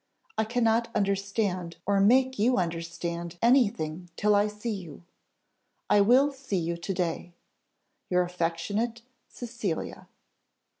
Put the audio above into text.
I cannot understand or make you understand any thing till I see you. I will see you to day. Your affectionate CECILIA."